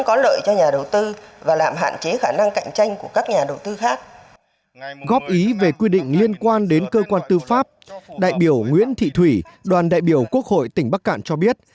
góp ý về quy định liên quan đến cơ quan tư pháp đại biểu nguyễn thị thủy đoàn đại biểu quốc hội tỉnh bắc cạn cho biết